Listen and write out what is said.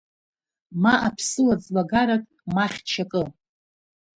Ма аԥсыуа ӡлагарак, ма хьчакы…